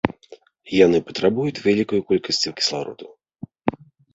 Яны патрабуюць вялікай колькасці кіслароду.